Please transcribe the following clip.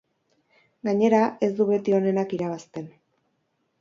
Gainera, ez du beti onenak irabazten.